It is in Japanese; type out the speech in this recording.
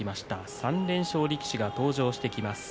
３連勝力士が登場してきます。